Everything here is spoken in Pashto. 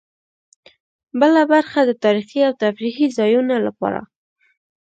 بله برخه د تاریخي او تفریحي ځایونو لپاره.